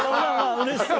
うれしそう！